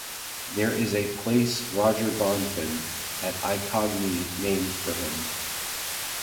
There is a "place Roger-Bonvin" at Icogne named for him.